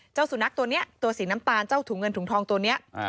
เจ้าสุนัขตัวนี้ตัวสีน้ำตาลเจ้าถุงเงินถุงทองตัวนี้